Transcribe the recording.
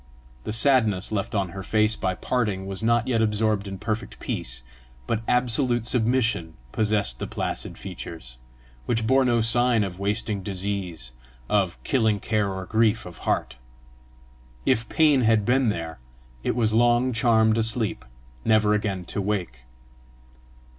The sadness left on her face by parting was not yet absorbed in perfect peace, but absolute submission possessed the placid features, which bore no sign of wasting disease, of "killing care or grief of heart": if pain had been there, it was long charmed asleep, never again to wake.